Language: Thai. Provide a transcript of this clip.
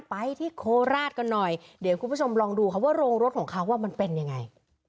ไปที่โคราชกันหน่อยเดี๋ยวคุณผู้ชมลองดูค่ะว่าโรงรถของเขามันเป็นยังไง